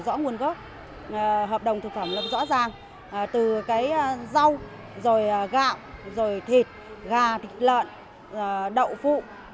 rõ nguồn gốc hợp đồng thực phẩm là rõ ràng từ cái rau rồi gạo rồi thịt gà thịt lợn đậu phụ